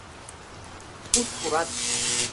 Куш пурат.